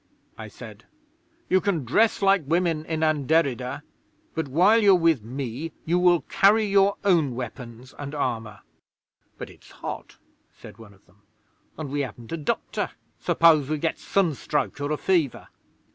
I said; "you can dress like women in Anderida, but while you're with me you will carry your own weapons and armour." '"But it's hot," said one of them, "and we haven't a doctor. Suppose we get sunstroke, or a fever?"